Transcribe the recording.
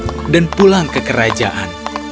dia merasa kecewa dan pulang ke kerajaan